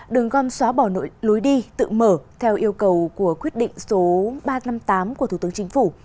đường gom xóa bỏ lối đi tự mở theo yêu cầu của quyết định số ba trăm năm mươi tám của thủ tướng chính phủ